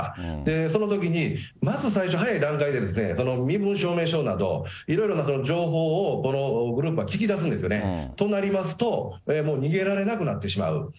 そのときに、まず最初、早い段階で、身分証明書など、いろいろな情報をこのグループは聞き出すんですよね。となりますと、もう逃げられなくなってしまう。